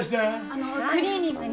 あのクリーニングに。